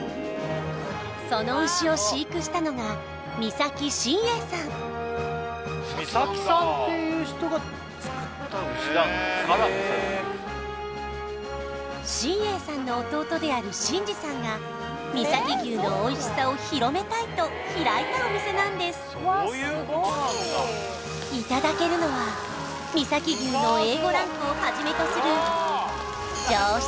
その牛を飼育したのが美崎伸栄さん伸栄さんの弟である信二さんが美崎牛のおいしさを広めたいと開いたお店なんですいただけるのは美崎牛のＡ５ランクをはじめとする上質